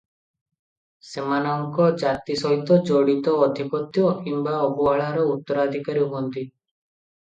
ସେମାନଙ୍କ ଜାତି ସହିତ ଜଡ଼ିତ ଆଧିପତ୍ୟ କିମ୍ବା ଅବହେଳାର ଉତ୍ତରାଧିକାରୀ ହୁଅନ୍ତି ।